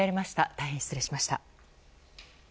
大変失礼しました。